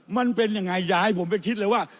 มันเป็นยังไงอย่าให้ผมไปคิดเลยว่า